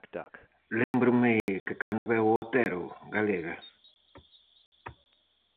Lémbrome que cando veu o Otero, galega.